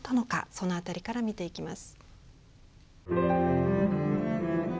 そのあたりから見ていきます。